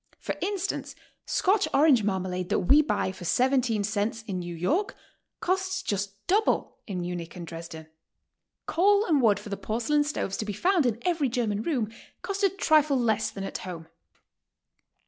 P'or instance, Scotch orange marmalade that we buy for 17 cents in New York, costs just double in Munich and Dres den. Coal and wood for the porcelain stoves to be found in every German room, cost a trifle less than at home.